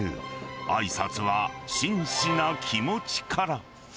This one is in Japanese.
あいさつは真摯な気持ちから。